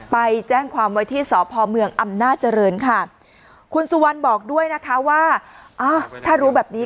ไปแจ้งความไว้ที่สพเมืองอำนาจริงค่ะคุณสุวรรณบอกด้วยนะคะว่าอ้าวถ้ารู้แบบนี้